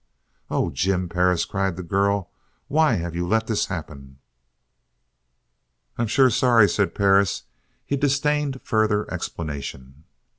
"Oh, Jim Perris," cried the girl. "Why have you let this happen!" "I'm sure sorry," said Perris. He disdained further explanation.